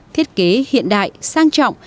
thiết kế hiện đại sang trọng